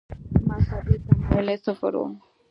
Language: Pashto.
مذهبي تمایل یې صفر و.